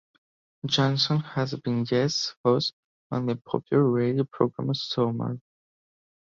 Jonsson has been guest host on the popular radio programme "Sommar".